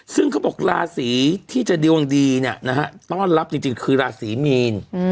ซึ่งเขาบอกราศีที่จะดวงดีเนี่ยนะฮะต้อนรับจริงคือราศีมีน